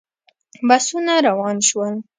بسونه روان شول.